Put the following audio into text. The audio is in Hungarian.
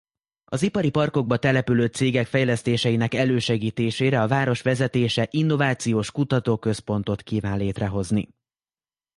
Az ipari parkokba települő cégek fejlesztéseinek elősegítésére a város vezetése innovációs kutatóközpontot kíván létrehozni.